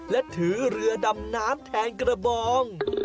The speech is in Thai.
และถือเรือดำน้ำแทนกระบอง